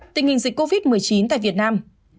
tình hình dịch covid một mươi chín tại việt nam